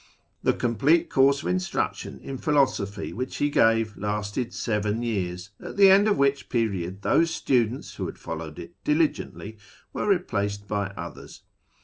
") The complete course of instruction in philosophy which he gave lasted seven years, at the end of which period those students who had followed it diligently were replaced by others.